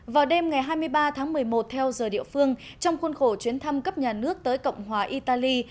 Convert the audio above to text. vào đêm ngày hai mươi ba tháng một mươi một theo giờ địa phương trong khuôn khổ chuyến thăm cấp nhà nước tới cộng hòa italy